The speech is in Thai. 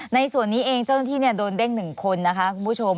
ในส่วนนี้เองเจ้าหน้าที่โดนเด้ง๑คนนะคะคุณผู้ชม